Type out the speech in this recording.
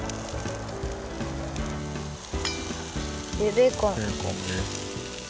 ベーコン。